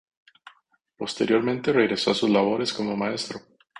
Posteriormente regresó a sus labores como maestro.